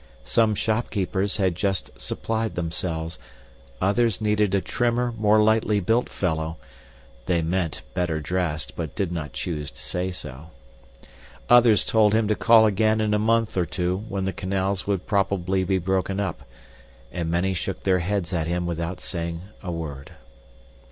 Some shopkeepers had just supplied themselves; others needed a trimmer, more lightly built fellow (they meant better dressed but did not choose to say so); others told him to call again in a month or two, when the canals would probably be broken up; and many shook their heads at him without saying a word.